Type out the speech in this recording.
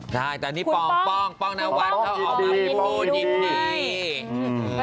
ใช่ตอนนี้ป้องป้องนวัตรเขาออกมาพูดยิ้มดี